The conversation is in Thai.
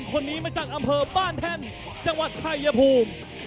คนนี้มาจากอำเภอบ้านแท่นจังหวัดชายภูมิ